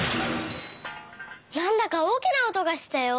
・なんだかおおきなおとがしたよ。